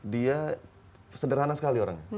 dia sederhana sekali orangnya